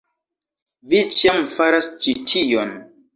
Vi ĉiam faras ĉi tion